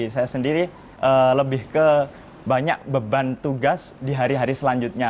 saya sendiri lebih ke banyak beban tugas di hari hari selanjutnya